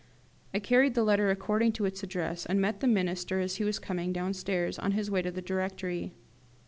I carried the letter according to its address, and met the Minister as he was coming downstairs, on his way to the Directory.